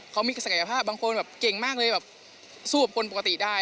เขามีศักยภาพบางคนแบบเก่งมากเลยแบบสู้กับคนปกติได้